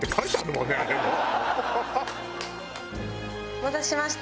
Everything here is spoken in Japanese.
お待たせしました。